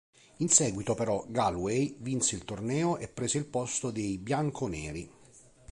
In seguito però Galway vinse il torneo e prese il posto dei bianco-neri.